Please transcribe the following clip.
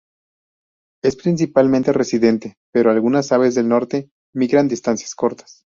Es principalmente residente, pero algunas aves del norte migran distancias cortas.